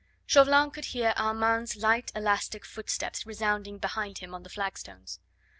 Chauvelin could hear Armand's light, elastic footsteps resounding behind him on the flagstones.